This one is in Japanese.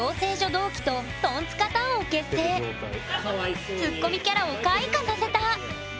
同期とツッコミキャラを開花させた！